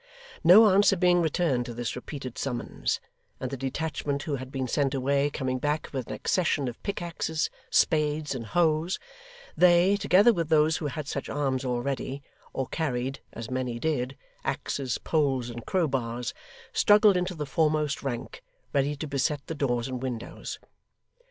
No answer being returned to this repeated summons, and the detachment who had been sent away, coming back with an accession of pickaxes, spades, and hoes, they, together with those who had such arms already, or carried (as many did) axes, poles, and crowbars, struggled into the foremost rank, ready to beset the doors and windows.